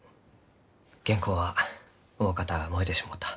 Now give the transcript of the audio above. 原稿はおおかた燃えてしもうた。